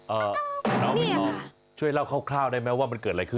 น้องไม่ยอมช่วยเล่าคร่าวได้ไหมว่ามันเกิดอะไรขึ้น